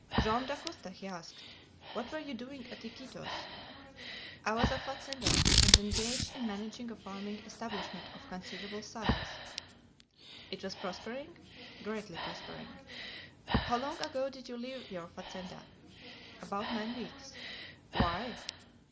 "Joam Dacosta," he asked, "what were you doing at Iquitos?" "I was a fazender, and engaged in managing a farming establishment of considerable size." "It was prospering?" "Greatly prospering." "How long ago did you leave your fazenda?" "About nine weeks." "Why?"